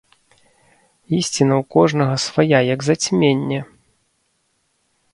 Ісціна ў кожнага свая, як зацьменне!